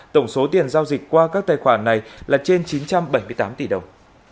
tổng số tiền giao dịch qua các tài khoản này là trên chín trăm bảy mươi tám tỷ đồng